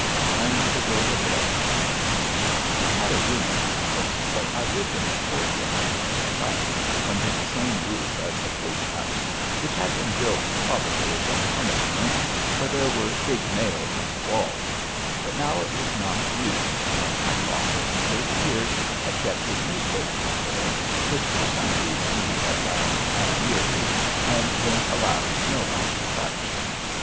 Time to go to bed! I had a room in the house, but I lived in the courtyard in a hut, under the same roof as the coach house, which had been built probably as a harness room for there were big nails in the walls but now it was not used, and my father for thirty years had kept his newspapers there, which for some reason he had bound half yearly and then allowed no one to touch.